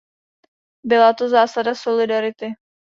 Byla to zásada solidarity.